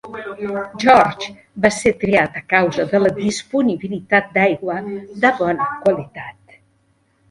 George va ser triat a causa de la disponibilitat d'aigua de bona qualitat.